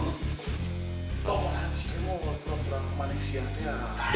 kau mah neng si kemo pura pura manis siang ya